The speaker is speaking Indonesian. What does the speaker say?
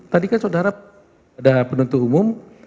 tadi kan saudara ada penuntut umum